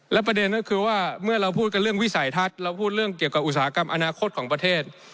และประเด็นก็คือว่าเมื่อเราพูดกันเรื่องวิสัยทัศน์เราพูดเรื่องเกี่ยวกับอุตสาหกรรมอนาคตของประเทศ